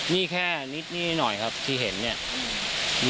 นี่แค่นิดหน่อยครับที่เห็นเนี่ย